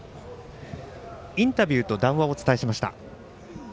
インタビューと談話をお伝えしました。